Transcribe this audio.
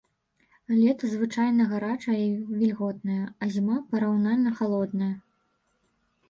Лета звычайна гарачае і вільготнае, а зіма параўнальна халодная.